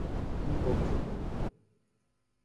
কি করছো তুমি?